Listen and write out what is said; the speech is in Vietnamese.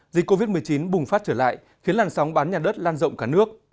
dịch covid một mươi chín bùng phát trở lại khiến làn sóng bán nhà đất lan rộng cả nước